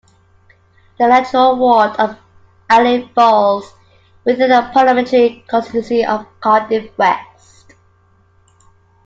The electoral ward of Ely falls within the parliamentary constituency of Cardiff West.